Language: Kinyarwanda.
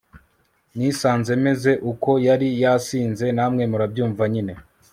nisanze meze uko yari yansize namwe murabyumva nyine